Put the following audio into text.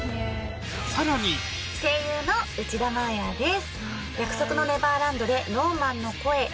さらに声優の内田真礼です。